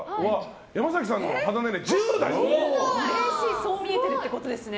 そう見えてるってことですね。